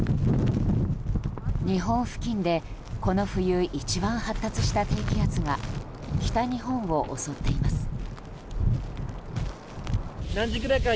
日本付近でこの冬一番発達した低気圧が北日本を襲っています。